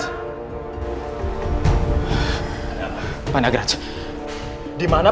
dimana panagraj mengurung seorang orang